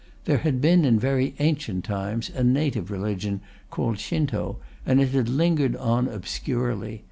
There had been, in very ancient times, a native religion called Shinto, and it had lingered on obscurely.